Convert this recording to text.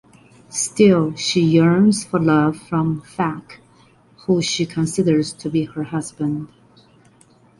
Still she yearns for love from Phak, who she considers to be her husband.